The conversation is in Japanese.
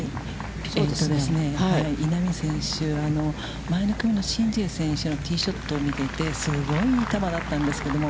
稲見選手、前の組の申ジエ選手のティーショットを見ていて、すごいいい球だったんですけれども。